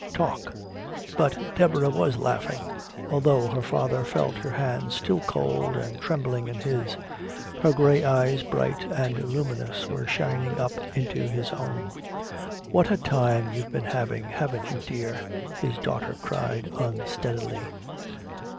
Talk!" But Deborah was laughing although her father felt her hands still cold and trembling in his. Her gray eyes, bright and luminous, were shining up into his own. "What a time you've been having, haven't you, dear!" his daughter cried unsteadily.